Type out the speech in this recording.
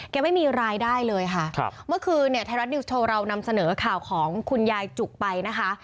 ไม่มีรายได้เลยค่ะครับเมื่อคืนเนี่ยไทยรัฐนิวส์โชว์เรานำเสนอข่าวของคุณยายจุกไปนะคะ